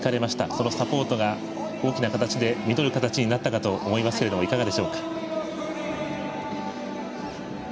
そのサポートが大きな形で実る形になったと思いますけれどもいかがでしょうか？